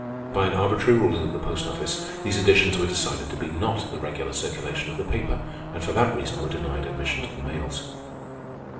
By an arbitrary ruling of the Post Office, these editions were decided to be not the regular circulation of the paper, and for that reason were denied admission to the mails.